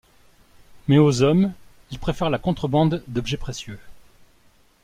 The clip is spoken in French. Mais aux hommes, il préfère la contrebande d'objets précieux.